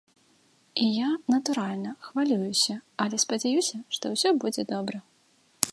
І я, натуральна, хвалююся, але спадзяюся, што ўсё будзе добра.